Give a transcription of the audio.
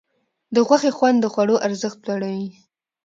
د غوښې خوند د خوړو ارزښت لوړوي.